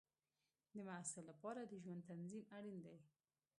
د محصل لپاره د ژوند تنظیم اړین دی.